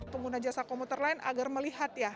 pengguna jasa komuter lain agar melihat ya